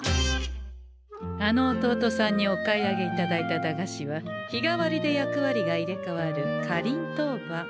あの弟さんにお買い上げいただいた駄菓子は日替わりで役割が入れ代わる「かりんとうばん」。